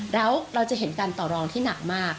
แล้วเราจะเห็นการต่อรองที่หนักมาก